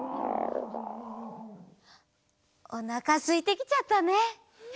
おなかすいてきちゃったね。